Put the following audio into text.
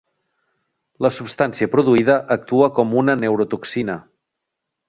La substància produïda actua com una neurotoxina.